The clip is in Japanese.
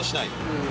うん。